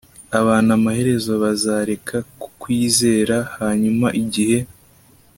abantu amaherezo bazareka kukwizera, hanyuma igihe